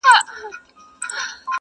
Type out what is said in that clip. په سِن پوخ وو زمانې وو آزمېیلی٫